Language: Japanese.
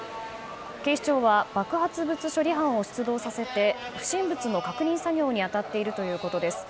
警視庁は爆発物処理班を出動させて不審物の確認作業に当たっているということです。